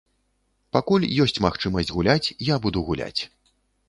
Пакуль ёсць магчымасць гуляць, я буду гуляць.